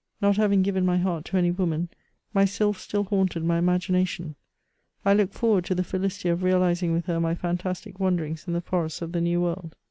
Not having given my heart to any woman, my sylph still haunted my imagination ; I looked forward to the felicity of realising with her my fantastic wanderings in the forests of the New World.